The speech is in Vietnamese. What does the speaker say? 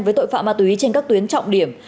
với tội phạm ma túy trên các tuyến trọng điểm